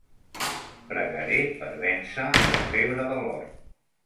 Pregaré per vèncer la febre de l'or.